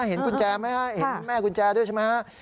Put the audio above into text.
เห็นกุญแจไหมฮะเห็นแม่กุญแจด้วยใช่ไหมฮะ